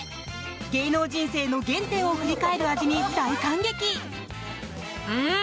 芸能人生の原点を振り返る味に大感激！